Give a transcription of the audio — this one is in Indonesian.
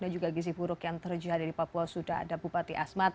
dan juga gizi buruk yang terjadi di papua sudah ada bupati asmat